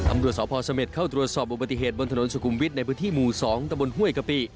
ตำรวจสพเสม็ดเข้าตรวจสอบอุบัติเหตุบนถนนสุขุมวิทย์ในพื้นที่หมู่๒ตะบนห้วยกะปิ